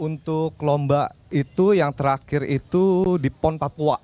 untuk lomba itu yang terakhir itu di pon papua